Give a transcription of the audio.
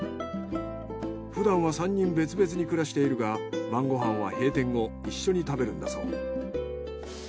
ふだんは３人別々に暮らしているが晩ご飯は閉店後一緒に食べるんだそう。